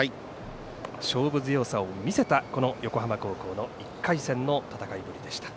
勝負強さを見せた横浜高校の１回戦の戦いぶりでした。